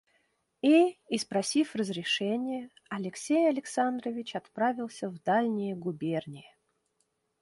И, испросив разрешение, Алексей Александрович отправился в дальние губернии.